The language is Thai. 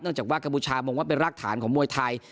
เนื่องจากว่ากระบุชามงว่าเป็นรักฐานของมวยไทย